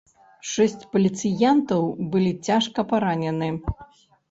Шэсць паліцыянтаў былі цяжка паранены.